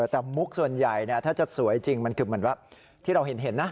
แต่มุกส่วนใหญ่ถ้าจะสวยจริงมันคือเห็นนะ